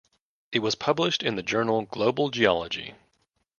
It was published in the journal Global Geology.